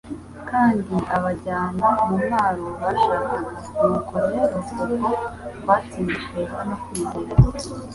kandi abajyana mu mwaro bashakaga'.» "Nuko rero ubwo twatsindishirijwe no kwizera,